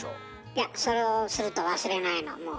いやそれをすると忘れないのもう。